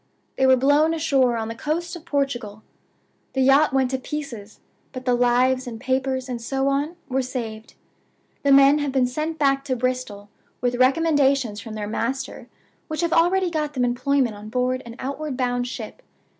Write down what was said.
They were blown ashore on the coast of Portugal. The yacht went to pieces, but the lives, and papers, and so on, were saved. The men have been sent back to Bristol, with recommendations from their master which have already got them employment on board an outward bound ship.